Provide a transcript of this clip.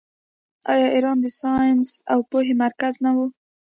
آیا ایران د ساینس او پوهې مرکز نه و؟